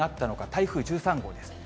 台風１３号です。